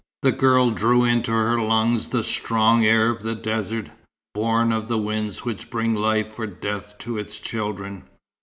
The girl drew into her lungs the strong air of the desert, born of the winds which bring life or death to its children.